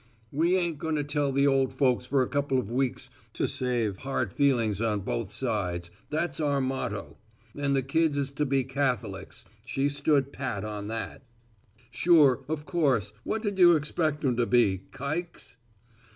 "We ain't going to tell the old folks for a couple of weeks to save hard feelings on both sides, that's our motto. And the kids is to be Catholics, she stood pat on that." "Sure, of course, what did you expect 'em to be, kikes?"